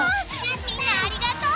みんなありがとう！